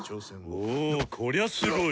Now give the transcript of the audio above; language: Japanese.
おこりゃすごい！